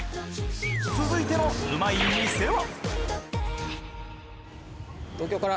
続いてのうまい店は？